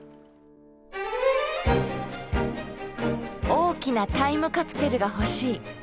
大きなタイムカプセルが欲しい。